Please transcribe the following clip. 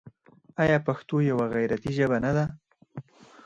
آیا پښتو یوه غیرتي ژبه نه ده؟